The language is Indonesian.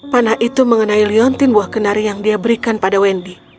panah itu mengenai leontin buah kenari yang dia berikan pada wendy